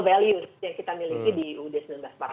values yang kita miliki di uud seribu sembilan ratus empat puluh lima